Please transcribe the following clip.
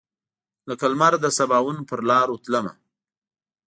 لکه لمر دسباوون پر لاروتلمه